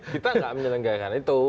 kita gak menyelenggara itu